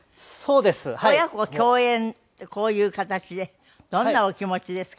親子共演ってこういう形でどんなお気持ちですか？